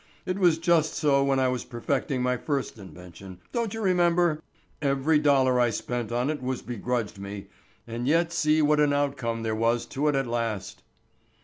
It was just so when I was perfecting my first invention, don't you remember? Every dollar I spent on it was begrudged me, and yet see what an outcome there was to it at last."